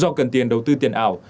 do cần tiền đầu tư tiền ảo